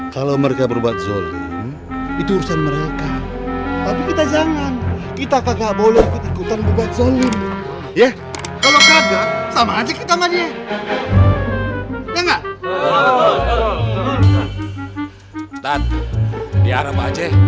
kalau maling tangannya dipotong ustadz